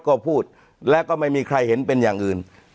ก็พูดและก็ไม่มีใครเห็นเป็นอย่างอื่น